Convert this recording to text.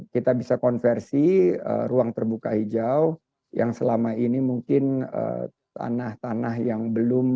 kita bisa konversi ruang terbuka hijau yang selama ini mungkin tanah tanah yang belum